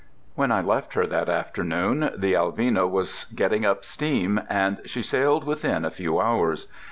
When I left her that afternoon, the Alvina was getting up steam, and she sailed within a few hours.